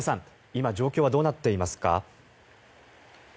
今、状況はどうなっていますか？